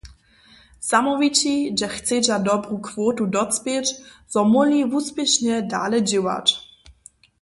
Zamołwići dźě chcedźa dobru kwotu docpěć, zo móhli wuspěšnje dale dźěłać.